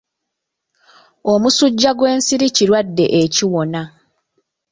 Omusujja gw'ensiri kirwadde ekiwona.